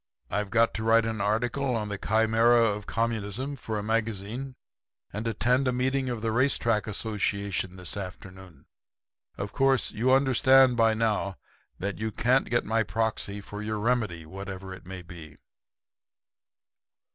I've got to write an article on the Chimera of Communism for a magazine, and attend a meeting of the Race Track Association this afternoon. Of course you understand by now that you can't get my proxy for your Remedy, whatever it may be.'